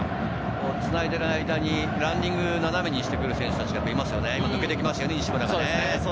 繋いでる間にプランディングを斜めにしてくる選手がいますよね。